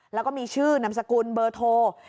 แล้วก็มีชื่อนามสกุลเบอร์โทร